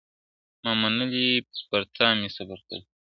ما منلی یې پر تا مي صبر کړی ..